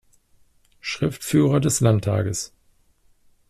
Schriftführer des Landtages.